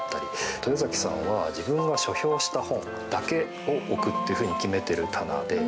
豊崎さんは自分が書評した本だけを置くというふうに決めている棚で。